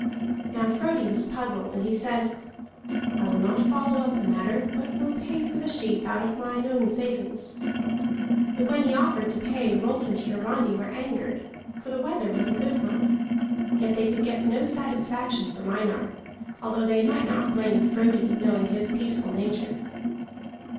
Now Frodi was puzzled, and he said: "I will not follow up the matter, but will pay for the sheep out of mine own savings." But when he offered to pay, Rolf and Hiarandi were angered, for the wether was a good one. Yet they could get no satisfaction from Einar, although they might not blame Frodi, knowing his peaceful nature.